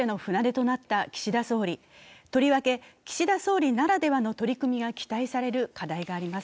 とりわけ岸田総理ならではの取り組みが期待される課題があります。